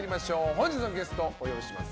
本日のゲストお呼びします